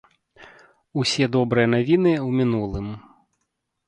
Усе добрыя навіны ў мінулым.